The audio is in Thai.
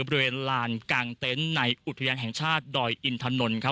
ประเภทลานกลางเต้นในอุทยานแห่งชาติดอยอินทร์ถนนครับ